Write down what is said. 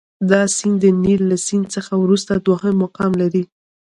دا سیند د نیل له سیند څخه وروسته دوهم مقام لري.